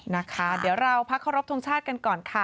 นะคะเดี๋ยวเราพักเคารพทงชาติกันก่อนค่ะ